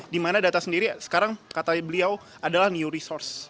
dimana data sendiri sekarang katanya beliau adalah new resource